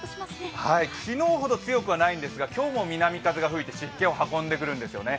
昨日ほど強くはないんですが今日も南風が吹いて湿気を運んでくるんですよね。